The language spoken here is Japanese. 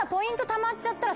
たまっちゃったら。